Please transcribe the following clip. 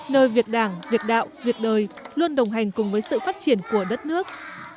nơi việt đảng việt đạo việt đời luôn đồng hành cùng với sự phát triển của đất nước